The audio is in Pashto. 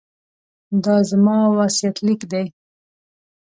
دا زما وصیت لیک دی.